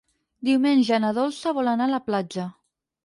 Diumenge na Dolça vol anar a la platja.